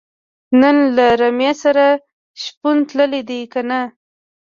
نن له رمې سره شپون تللی دی که نۀ